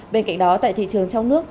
bên cạnh đó tại thị trường trong nước